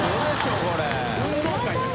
これ。